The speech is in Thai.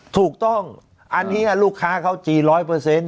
ถูกต้องอันนี้ลูกค้าเขาจีนร้อยเปอร์เซ็นต